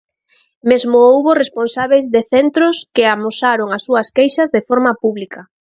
Mesmo houbo responsábeis de centros que amosaron as súas queixas de forma pública.